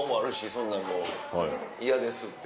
そんなん嫌ですって。